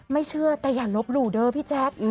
เชื่อแต่อย่าลบหลู่เด้อพี่แจ๊ค